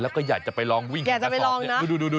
แล้วก็อยากจะไปลองวิ่งกระสอบนี้อยากจะไปลองนะ